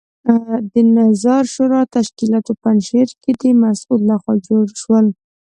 د نظار شورا تشکیلات په پنجشیر کې د مسعود لخوا جوړ شول.